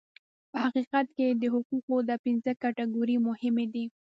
په حقیقت کې د حقوقو دا پنځه کټګورۍ مهمې دي.